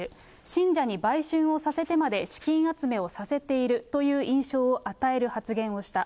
信者に売春をさせてまで資金集めをさせているという印象を与える発言をした。